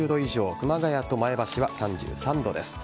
熊谷と前橋は３３度です。